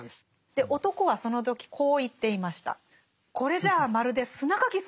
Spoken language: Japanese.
で男はその時こう言っていました。